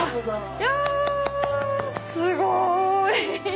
いやすごい！